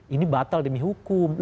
ini batal demi hukum